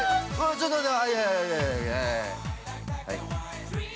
ちょっと待って。